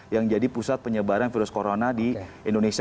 yang jadi pusat penyebaran virus corona di indonesia